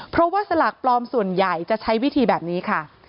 เพราะว่าสลากปลอมส่วนใหญ่จะใช้วิธีแบบนี้ค่ะ